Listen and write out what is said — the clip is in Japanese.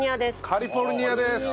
カリフォルニアです。